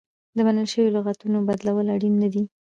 د منل شویو لغتونو بدلول اړین نه دي.